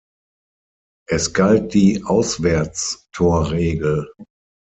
Es galt die Auswärtstorregel.